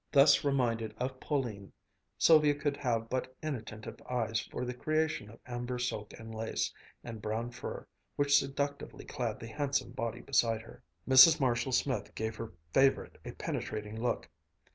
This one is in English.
Thus reminded of Pauline, Sylvia could have but inattentive eyes for the creation of amber silk and lace, and brown fur, which seductively clad the handsome body beside her. Mrs. Marshall Smith gave her favorite a penetrating look.